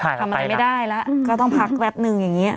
ทำอะไรไม่ได้แล้วก็ต้องพักแป๊บนึงอย่างนี้